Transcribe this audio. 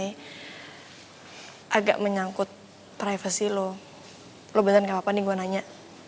hai agak menyangkut privacy lo lo beneran apa nih gue nanya